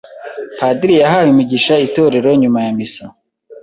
Padiri yahaye umugisha itorero nyuma ya misa.